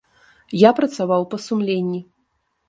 Я працаваў па сумленні.